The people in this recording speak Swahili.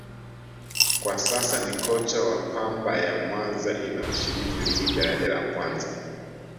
kwa sasa ni kocha wa Pamba ya Mwanza inayoshiriki Ligi Daraja La Kwanza